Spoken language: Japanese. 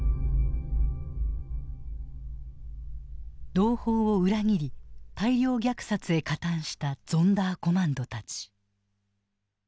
同胞を裏切り大量虐殺へ加担したゾンダーコマンドたち。